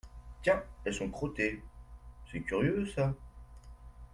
Tiens ! elles sont crottées !… c’est curieux, ça !…